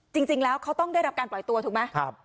จริงแล้วเขาต้องได้รับการปล่อยตัวถูกไหม